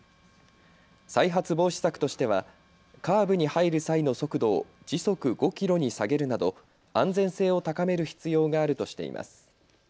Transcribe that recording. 再発防止策としてはカーブに入る際の速度を時速５キロに下げるなど安全性を高める必要があるとしています。